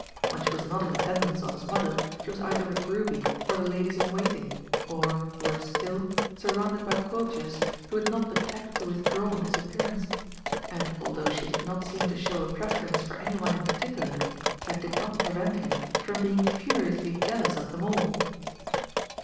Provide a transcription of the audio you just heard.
When she was not in attendance on his Mother she was either with Ruby or the ladies in waiting, or, worse still, surrounded by courtiers who had not the tact to withdraw on his appearance. And although she did not seem to show a preference for any one in particular, that did not prevent him from being furiously jealous of them all.